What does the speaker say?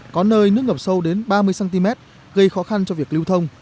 có nơi nước ngập sâu đến ba mươi cm gây khó khăn cho việc lưu thông